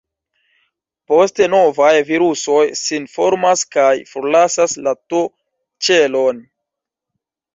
Poste novaj virusoj sin formas kaj forlasas la T-ĉelon.